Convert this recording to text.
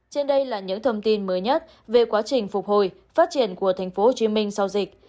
trên đây là những thông tin mới nhất về quá trình phục hồi phát triển của tp hcm sau dịch